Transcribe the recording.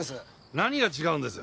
何が違うんです？